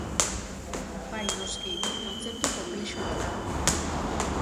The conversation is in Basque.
Bai noski, kontzeptu konplexua da.